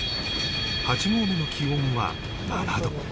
８合目の気温は７度